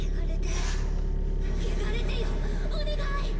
穢れてよお願い！